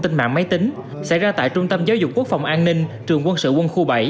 tính mạng máy tính xảy ra tại trung tâm giáo dục quốc phòng an ninh trường quân sự quân khu bảy